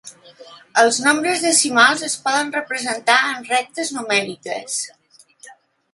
Els nombres decimals es poden representar en rectes numèriques.